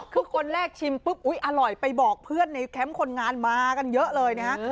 คือคนแรกชิมปุ๊บอุ๊ยอร่อยไปบอกเพื่อนในแคมป์คนงานมากันเยอะเลยนะฮะ